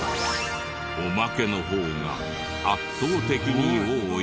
おまけの方が圧倒的に多い。